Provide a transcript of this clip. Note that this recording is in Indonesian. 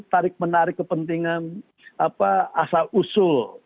tarik menarik kepentingan asal usul